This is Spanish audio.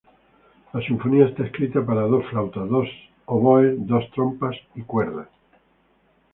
La sinfonía está escrita para dos flautas, dos oboes, dos trompas e cuerdas.